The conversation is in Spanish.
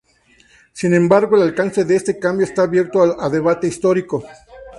Sin embargo, el alcance de este cambio está abierto a debate histórico.